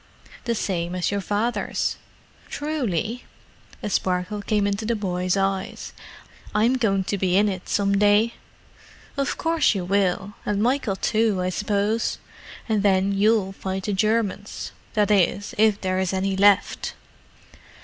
"The same as your father's." "Truly?" A sparkle came into the boy's eyes. "I'm going to be in it some day." "Of course you will—and Michael too, I suppose. And then you'll fight the Germans—that is, if there are any left."